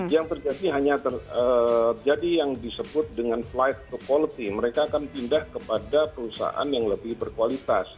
yang terjadi hanya terjadi yang disebut dengan flight to quality mereka akan pindah kepada perusahaan yang lebih berkualitas